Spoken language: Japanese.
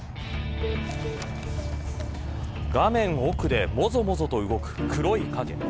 画面奥で、もぞもぞと動く黒い影。